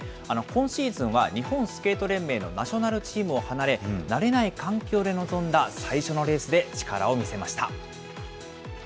今シーズンは日本スケート連盟のナショナルチームを離れ、慣れない環境で臨んだ最初のレースで力を見せました。